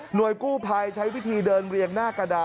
หน่วยกู้ภัยใช้วิธีเดินเรียงหน้ากระดานนะครับ